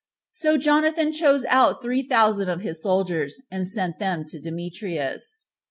So Jonathan chose out three thousand of his soldiers, and sent them to Demetrius.